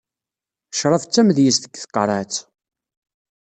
Ccrab d tamedyezt deg tqerɛet.